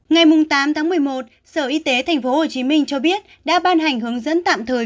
ngày tám tháng một mươi một sở y tế tp hcm cho biết đã ban hành hướng dẫn tạm thời